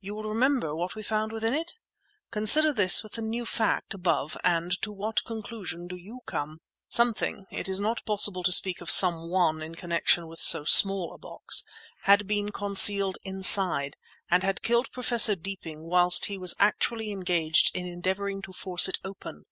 You will remember what we found within it? Consider this with the new fact, above, and to what conclusion do you come? Something (it is not possible to speak of someone in connection with so small a box) had been concealed inside, and had killed Professor Deeping whilst he was actually engaged in endeavouring to force it open.